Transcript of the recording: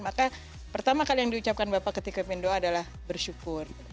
maka pertama kali yang diucapkan bapak ketika mendoa adalah bersyukur